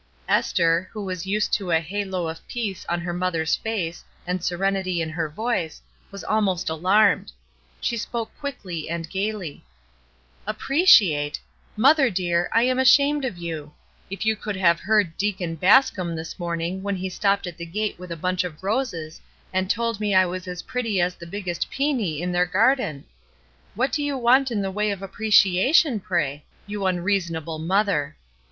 Esther, who was used to a halo of peace on her mother's face and serenity in her voice, was almost alarmed. She spoke quickly and gayly t| " 'Appreciate'! mother dear, I am ashamed oT you. If you could have heard Deacon Basconi^ this morning when he stopped at the gate wit a bunch of roses and told me I was as pretty | SURPRISES 327 the biggest piny in their garden! What do you want in the way of appreciation, pray? you unreasonable mother!